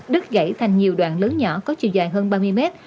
đứt gãy thành nhiều đoạn lớn nhỏ có chiều dài hơn ba mươi mét